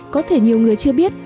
có thể nhiều người chưa biết